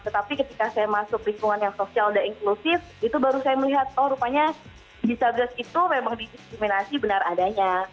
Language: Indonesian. tetapi ketika saya masuk lingkungan yang sosial dan inklusif itu baru saya melihat oh rupanya disabilitas itu memang didiskriminasi benar adanya